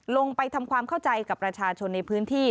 ลงไปทำความเข้าใจกับประชาชนในพื้นที่